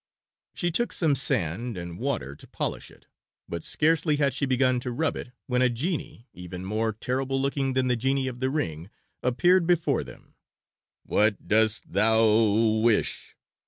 She took some sand and water to polish it, but scarcely had she begun to rub it when a genie, even more terrible looking than the genie of the ring, appeared before them. "What dost thou wish?"